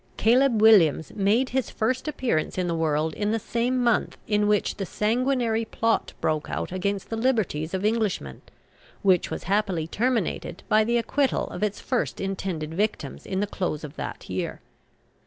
"Caleb Williams" made his first appearance in the world in the same month in which the sanguinary plot broke out against the liberties of Englishmen, which was happily terminated by the acquittal of its first intended victims in the close of that year.